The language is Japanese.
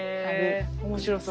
面白そう。